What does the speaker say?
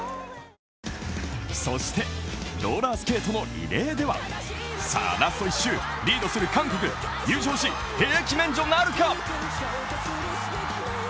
そしてローラースケートのリレーではラスト１周、リードする韓国、優勝し、兵役免除なるか。